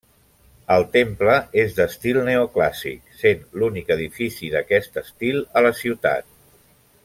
El temple és d'estil neoclàssic, sent l'únic edifici d'aquest estil a la ciutat.